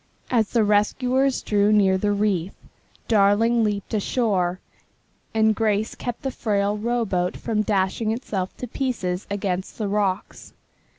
As the rescuers drew near the reef, Darling leaped ashore, and Grace kept the frail rowboat from dashing itself to pieces against the rocks.